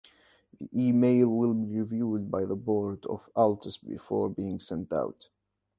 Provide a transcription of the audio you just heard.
The email will be reviewed by the board of Altus before being sent out.